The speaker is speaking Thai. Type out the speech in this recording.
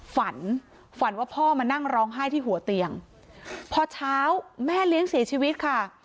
ฝันฝันว่าพ่อมานั่งร้องไห้ที่หัวเตียงพอเช้าแม่เลี้ยงเสียชีวิตค่ะ